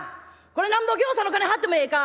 これ何ぼぎょうさんの金張ってもええか？」。